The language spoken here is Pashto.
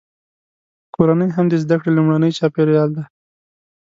کورنۍ هم د زده کړې لومړنی چاپیریال دی.